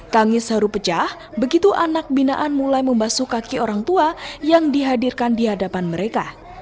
tangis haru pecah begitu anak binaan mulai membasuh kaki orang tua yang dihadirkan di hadapan mereka